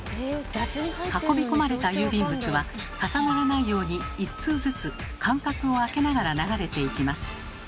運び込まれた郵便物は重ならないように一通ずつ間隔をあけながら流れていきます。